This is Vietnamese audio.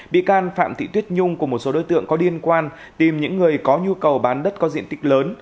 bị can phạm thị tuyết nhung cùng một số đối tượng có liên quan tìm những người có nhu cầu bán đất có diện tích lớn